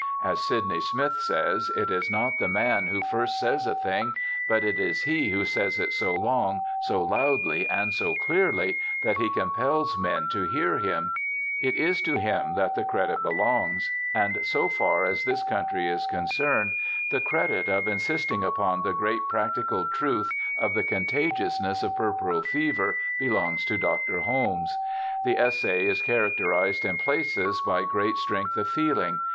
As Sidney Smith says, it is not the man who first says a thing, but it is he who says it so long, so loudly, and so clearly that he compels men to hear him— it is to him that the credit belongs; and so far as this country is con cerned, the credit of insisting upon the great practical truth of the contagiousness of puerperal fever belongs to Dr. Holmes. The essay is characterized in places by great strength of feeling.